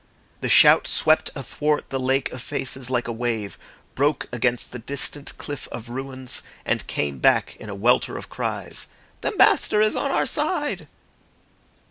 The shout swept athwart the lake of faces like a wave, broke against the distant cliff of ruins, and came back in a welter of cries. "The Master is on our side!"